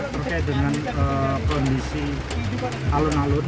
terkait dengan kondisi alun alun